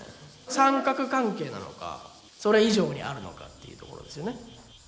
三角関係なのかそれ以上にあるのかっていうところですよね。